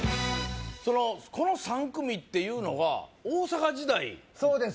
この３組っていうのは大阪時代そうです